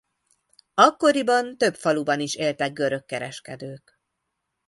Akkoriban több faluban is éltek görög kereskedők.